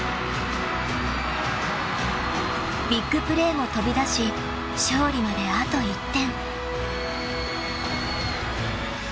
［ビッグプレーも飛び出し勝利まであと１点］